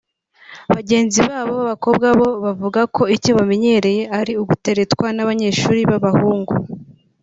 bagenzi babo b’abakobwa bo bavuga ko icyo bamenyereye ari uguteretwa n’abanyeshuri b’abahungu